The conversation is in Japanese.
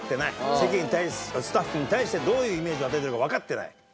世間に対してスタッフに対してどういうイメージが出てるかわかってない。